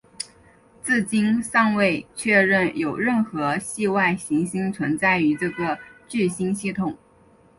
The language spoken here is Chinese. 至今尚未确认有任何系外行星存在于这个聚星系统。